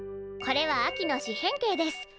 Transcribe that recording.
これは秋の四辺形です。